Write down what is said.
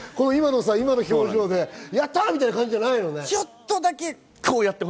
今の表情でやった！っていう感じじゃないのよね。